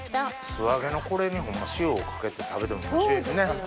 素揚げのこれにホンマ塩をかけて食べてもおいしいですよね。